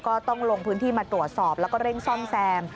ก็ต้องลงพื้นที่มาตรวจสอบแล้วก็เร่งซ่อมแซม